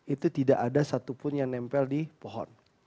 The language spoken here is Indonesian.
itu tidak ada satupun yang nempel di pohon